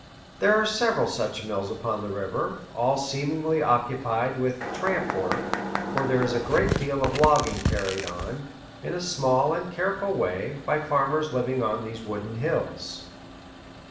There are several such mills upon the river, all seemingly occupied with "tramp work," for there is a deal of logging carried on, in a small and careful way, by farmers living on these wooded hills.